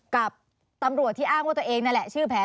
กับตำรวจที่อ้างว่าตัวเองนั่นแหละชื่อแพ้